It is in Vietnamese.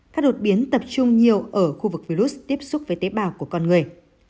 các đột biến tập trung nhiều ở khu vực virus tiếp xúc với tế bào của con người